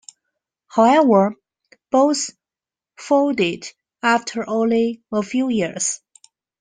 However, both folded after only a few years.